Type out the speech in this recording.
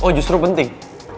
oh justru penting